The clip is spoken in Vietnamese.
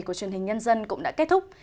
của truyền hình nhân dân cũng đã kết thúc